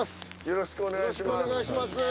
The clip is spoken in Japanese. よろしくお願いします。